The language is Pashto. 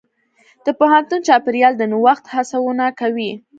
د پوهنتون چاپېریال د نوښت هڅونه کوي.